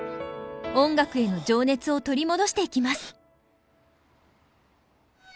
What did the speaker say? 音楽への情熱を取り戻していきます。